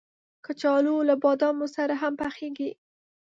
کچالو له بادامو سره هم پخېږي